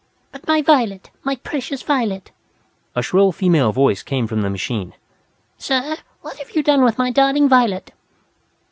"But my Violet! My precious Violet!" a shrill female voice came from the machine. "Sir, what have you done with my darling Violet?"